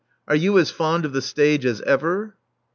Are you as fond of the stage as ever?"